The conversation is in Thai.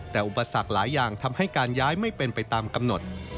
แต่อุปสรรคหลายอย่างทำให้การย้ายไม่เป็นไปตามกำหนด